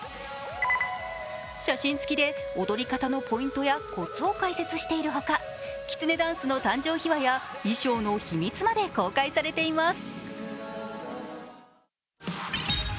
写真付きで踊り方のポイントやこつを解説しているほか、きつねダンスの誕生秘話や衣装の秘密まで公開されています。